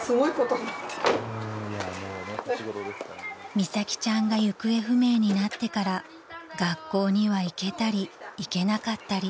［美咲ちゃんが行方不明になってから学校には行けたり行けなかったり］